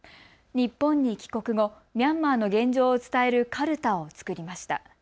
日本に帰国後、ミャンマーの現状を伝えるかるたを作りました。